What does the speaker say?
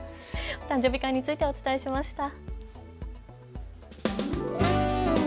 お誕生日会についてお伝えしました。